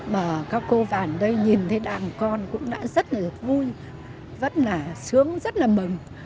mà các cô bạn ở đây nhìn thấy đàn con cũng đã rất là vui rất là sướng rất là mừng